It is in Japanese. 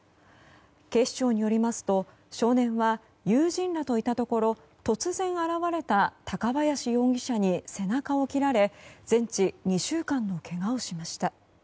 警視庁によりますと少年は友人らといたところ突然、現れた高林容疑者に背中を切られ全治２週間のけがをしました。